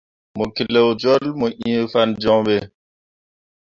Mo keleo jolle mu ĩĩ fan joŋ ɓe.